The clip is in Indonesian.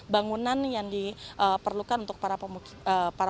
bangunan yang diperlukan untuk para pemukiman